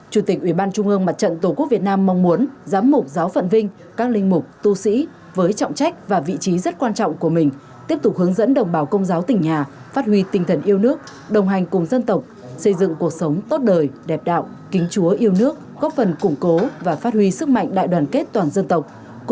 chủ tịch ủy ban trung ương mặt trận tổ quốc việt nam mong muốn giám mục giáo phận vinh các linh mục tu sĩ với trọng trách và vị trí rất quan trọng của mình tiếp tục hướng dẫn đồng bào công giáo tỉnh nhà phát huy tinh thần yêu nước đồng hành cùng dân tộc xây dựng cuộc sống tốt đời đẹp đạo kính chúa yêu nước góp phần củng cố và phát huy sức mạnh đại đoàn kết toàn dân tộc